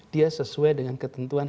dia sesuai dengan ketentuan